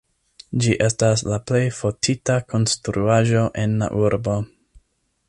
Ĝi estas la plej fotita konstruaĵo en la urbo.